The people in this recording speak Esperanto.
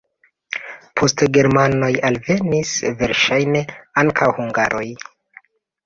Poste germanoj alvenis, verŝajne ankaŭ hungaroj.